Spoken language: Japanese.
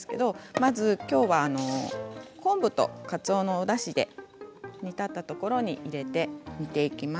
まず、きょうは昆布とかつおのおだしで煮立ったところに入れて煮ていきます。